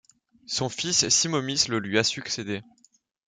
Son fils Siemomysl lui a succédé.